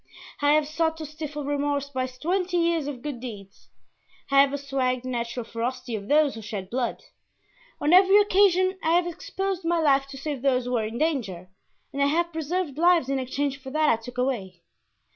I have sought to stifle remorse by twenty years of good deeds; I have assuaged the natural ferocity of those who shed blood; on every occasion I have exposed my life to save those who were in danger, and I have preserved lives in exchange for that I took away.